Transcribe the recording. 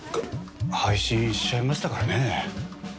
配信しちゃいましたからね。